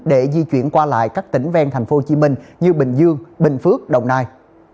để di chuyển qua lại các tỉnh ven thành phố hồ chí minh như bình dương bình phước đồng nai